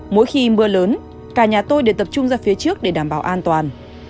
mỗi khi mưa lớn cả nhà tôi đều tập trung ra phía trước để đảm bảo an toàn